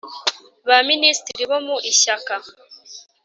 ba minisitiri bo mu Ishyaka